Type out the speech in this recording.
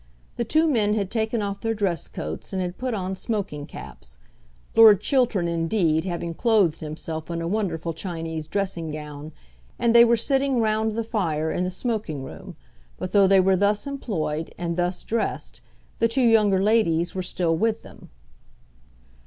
The two men had taken off their dress coats, and had put on smoking caps, Lord Chiltern, indeed, having clothed himself in a wonderful Chinese dressing gown, and they were sitting round the fire in the smoking room; but though they were thus employed and thus dressed the two younger ladies were still with them.